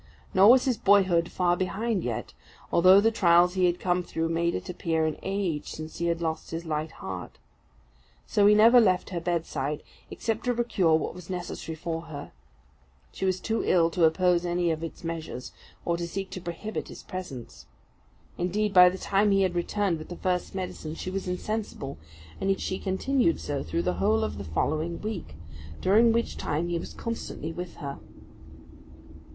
Nor was his boyhood far behind yet, although the trials he had come through made it appear an age since he had lost his light heart. So he never left her bedside, except to procure what was necessary for her. She was too ill to oppose any of his measures, or to seek to prohibit his presence. Indeed, by the time he had returned with the first medicine, she was insensible; and she continued so through the whole of the following week, during which time he was constantly with her.